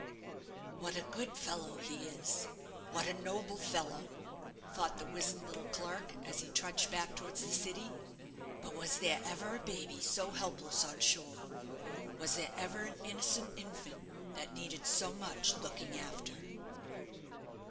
"What a good fellow he is! what a noble fellow!" thought the wizen little clerk, as he trudged back towards the City. "But was there ever a baby so helpless on shore? was there ever an innocent infant that needed so much looking after?"